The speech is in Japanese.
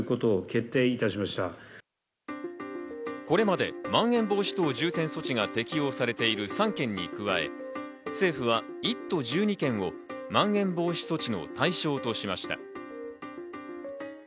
これまでまん延防止等重点措置が適用されている３県に加え、政府は１都１２県をまん延防止措置の対象としました。